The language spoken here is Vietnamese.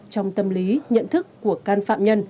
trong tâm lý nhận thức của can phạm nhân